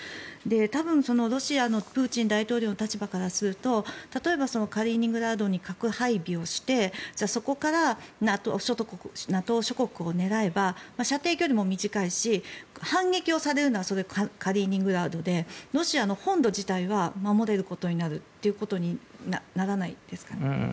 多分、ロシアのプーチン大統領の立場からすると例えば、カリーニングラードに核配備をしてそこからＮＡＴＯ諸国を狙えば射程距離も短いし反撃をされるのはカリーニングラードでロシアの本土自体は守れることになるということにならないですかね。